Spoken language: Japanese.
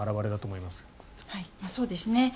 そうですね。